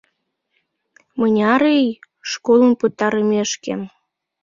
— «Мыняр ий?» — «Школым пытарымешкем».